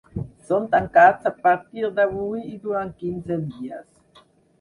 Són tancats a partir d’avui i durant quinze dies.